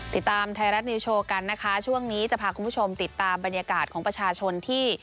ติดตามไทยรัฐนิวโชว์กันนะคะช่วงนี้จะพาคุณผู้ชมติดตามบรรยากาศของประชาชนที่